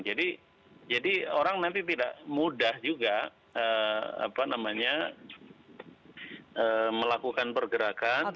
jadi orang nanti tidak mudah juga melakukan pergerakan